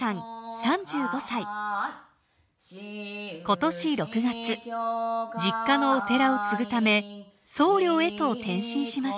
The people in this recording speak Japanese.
今年６月実家のお寺を継ぐため僧侶へと転身しました。